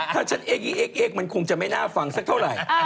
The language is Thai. ถ้าฉันเอกมันคงจะไม่น่าฟังสักเท่าไร